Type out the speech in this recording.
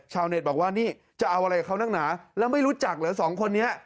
เน็ตบอกว่านี่จะเอาอะไรกับเขานักหนาแล้วไม่รู้จักเหรอสองคนนี้